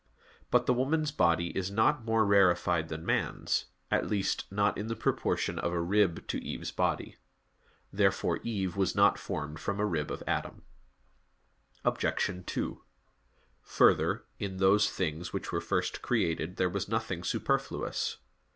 But the woman's body is not more rarefied than man's at least, not in the proportion of a rib to Eve's body. Therefore Eve was not formed from a rib of Adam. Obj. 2: Further, in those things which were first created there was nothing superfluous.